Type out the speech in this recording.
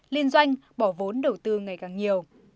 liên doanh bỏ vốn đầu tư ngày càng nhiều